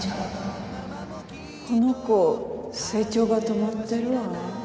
この子成長が止まってるわ。